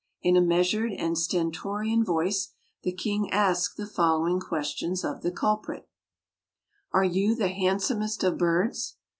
In a measured and stentorian voice the king asked the following questions of the culprit: "Are you the handsomest of birds?"